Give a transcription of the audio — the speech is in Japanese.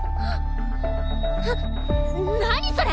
なっ何それ！？